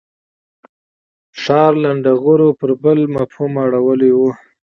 ښار لنډه غرو پر بل مفهوم اړولې وه.